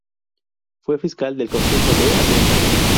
Fue fiscal del Consejo de Hacienda.